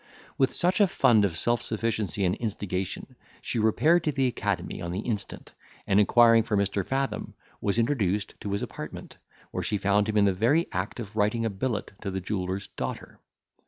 With such a fund of self sufficiency and instigation, she repaired to the academy on the instant, and inquiring for Mr. Fathom, was introduced to his apartment, where she found him in the very act of writing a billet to the jeweller's daughter.